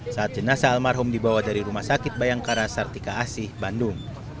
saat jenazah almarhum dibawa dari rumah sakit bayangkara sartika asih bandung